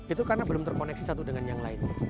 itu karena belum terkoneksi satu dengan yang lainnya